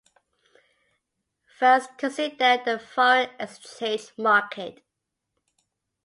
First consider the Foreign Exchange market.